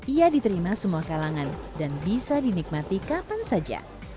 ia diterima semua kalangan dan bisa dinikmati kapan saja